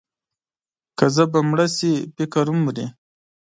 که ژبه مړه شي، فکر هم مري.